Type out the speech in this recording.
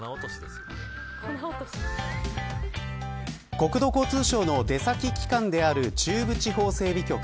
国土交通省の出先機関である中国地方整備局。